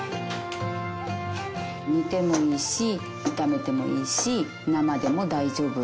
煮てもいいし炒めてもいいし生でも大丈夫。